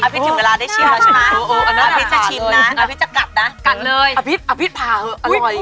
อภิตอยู่เวลาได้ชิมแล้วใช่ไหมอัภิตจะชิมนะอภิตจะกัดนะอัภิตพาเถอะอร่อย